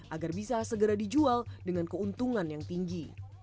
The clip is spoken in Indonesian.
agar bisa segera dijual dengan keuntungan yang tinggi